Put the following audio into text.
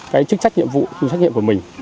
cái trách nhiệm vụ trách nhiệm của mình